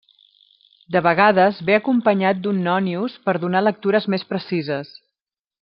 De vegades ve acompanyat d'un nònius per donar lectures més precises.